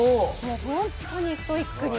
本当にストイックに。